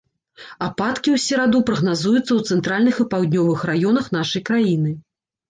Ападкі ў сераду прагназуюцца ў цэнтральных і паўднёвых раёнах нашай краіны.